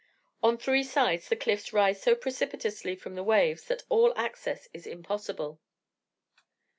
On three sides, the cliffs rise so precipitously from the waves, that all access is impossible.